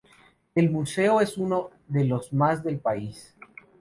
El museo es uno de los más del país.